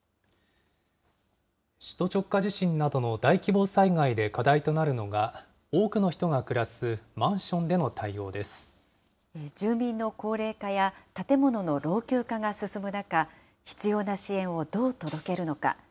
首都直下地震などの大規模災害で課題となるのが、多くの人が住民の高齢化や建物の老朽化が進む中、必要な支援をどう届けるのか。